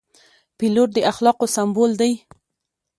پیلوټ د اخلاقو سمبول دی.